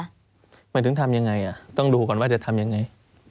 หมายถึงทำยังไงต้องดูก่อนว่าจะทำยังไง